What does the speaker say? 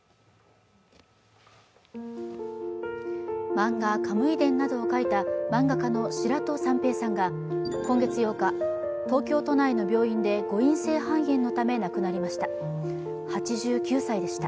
漫画「カムイ伝」などを書いた漫画家の白土三平さんが今月８日、東京都内の病院で誤えん性肺炎のため亡くなりました。